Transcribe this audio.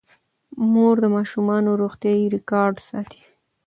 مور د ماشومانو روغتیايي ریکارډ ساتي.